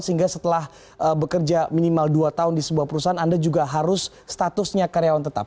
sehingga setelah bekerja minimal dua tahun di sebuah perusahaan anda juga harus statusnya karyawan tetap